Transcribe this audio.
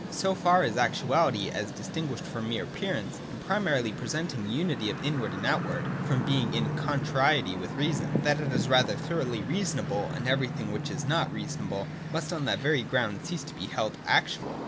So far is actuality, as dis tinguished from mere appearance, and primarily present ing a unity of inward and outward, from being in contrariety 142, I43 ] ACTUALITY. 259 with reason, that it is rather thoroughly reasonable, and everything which is not reasonable must on that very ground cease to be held actual.